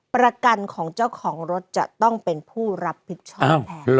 ประกันของเจ้าของรถจะต้องเป็นผู้รับผิดชอบแทน